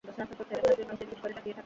সাগরে মরে পড়ে আছে সে।